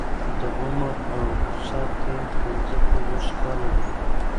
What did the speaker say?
د عمر اوسط يې پنځه پنځوس کاله دی.